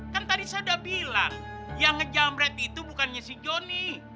kan tadi saya udah bilang yang ngejamret itu bukannya si joni